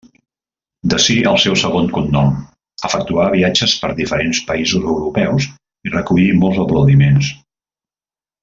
D'ací el seu segon cognom, efectuà viatges per diferents països europeus, i recollí molts aplaudiments.